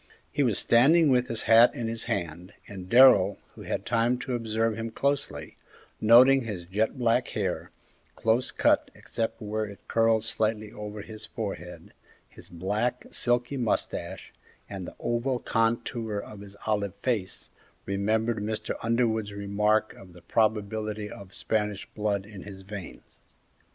He was standing with his hat in his hand, and Darrell, who had time to observe him closely, noting his jet black hair, close cut excepting where it curled slightly over his forehead, his black, silky moustache, and the oval contour of his olive face, remembered Mr. Underwood's remark of the probability of Spanish blood in his veins.